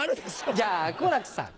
じゃあ好楽さん。